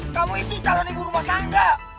kamu itu talan ibu rumah tangga